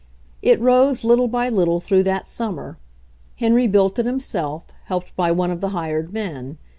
It rose little by little through that summer. Henry built it himself, helped by one of the hired men.